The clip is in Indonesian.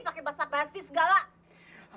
pakai basah basih segala